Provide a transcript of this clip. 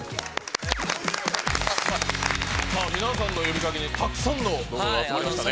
皆さんの呼びかけにたくさん集まりましたね。